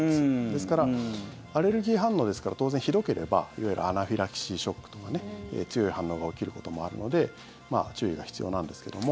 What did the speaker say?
ですからアレルギー反応ですから当然ひどければいわゆるアナフィラキシーショックとか強い反応が起きることもあるので注意が必要なんですけども。